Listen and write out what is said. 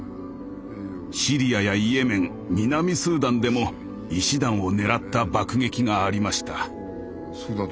シリアやイエメン南スーダンでも医師団を狙った爆撃がありました。